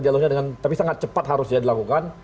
dialognya dengan tapi sangat cepat harusnya dilakukan